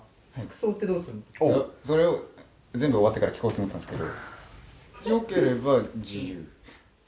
それ全部終わってから聞こうと思ってたんですけど。